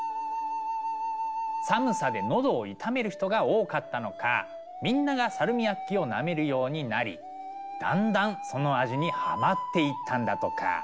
寒さでのどを痛める人が多かったのかみんながサルミアッキをなめるようになりだんだんその味にはまっていったんだとか。